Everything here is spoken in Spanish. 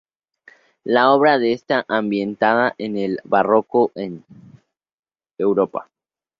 La obra está ambientada en el Barroco en Europa.